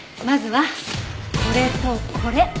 まずはこれとこれ。